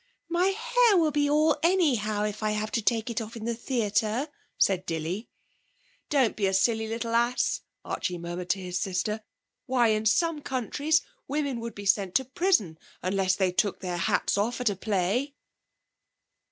'My hair will be all anyhow if I have to take it off in the theatre,' said Dilly. 'Don't be a silly little ass,' Archie murmured to his sister. 'Why, in some countries women would be sent to prison unless they took their hats off at a play!'